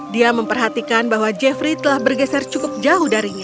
dia memperhatikan bahwa jeffrey telah bergeser cukup jauh darinya